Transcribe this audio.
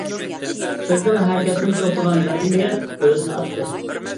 قىزنىڭ ھەرىكەتتىن توختىغان بەدىنىگە ئۆزىنى ئاتتى.